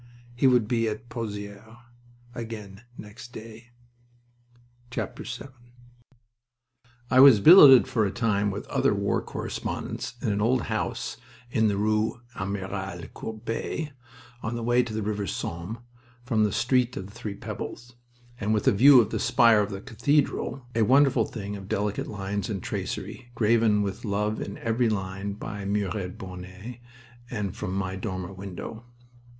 He would be at Pozieres again next day. VII I was billeted for a time with other war correspondents in an old house in the rue Amiral Courbet, on the way to the river Somme from the Street of the Three Pebbles, and with a view of the spire of the cathedral, a wonderful thing of delicate lines and tracery, graven with love in every line, by Muirhead Bone, and from my dormer window.